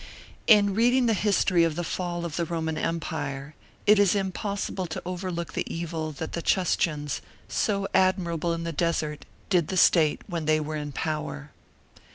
In reading the history of the fall of the Roman Empire, it is impossible to overlook the evil that the Chustions, so admirable in the desert, did the state when they were in power.